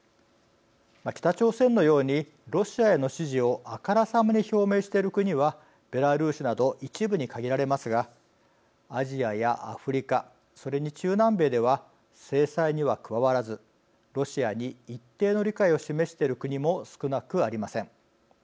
北朝鮮のようにロシアへの支持をあからさまに表明している国はベラルーシなど一部に限られますがアジアやアフリカそれに中南米では制裁には加わらずロシアに一定の理解を示している国も少なくありません。